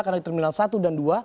karena di terminal satu dan dua